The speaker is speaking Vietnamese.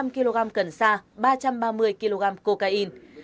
năm trăm linh kg cần sa ba trăm ba mươi kg cocaine